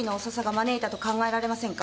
招いたと考えられませんか？